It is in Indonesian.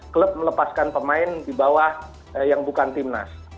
klub melepaskan pemain di bawah yang bukan timnas